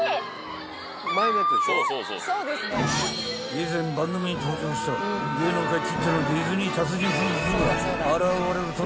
［以前番組に登場した芸能界きってのディズニー達人夫婦が現れるとのウワサをキャッチ］